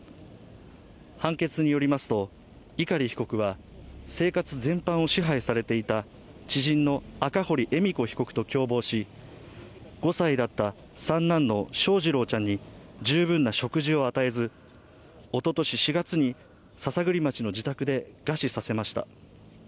判決によりますと、碇被告は生活全般を支配されていた知人の赤堀恵美子被告と共謀し、５歳だった三男の翔士郎ちゃんに十分な食事を与えずおととし４月に篠栗町の自宅で餓死させました。